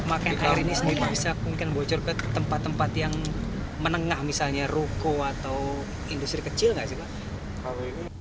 maka air ini sendiri bisa mungkin bocor ke tempat tempat yang menengah misalnya ruko atau industri kecil nggak sih pak